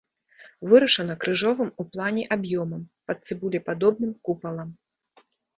Вырашана крыжовым у плане аб'ёмам пад цыбулепадобным купалам.